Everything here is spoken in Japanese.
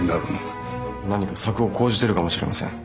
何か策を講じてるかもしれません。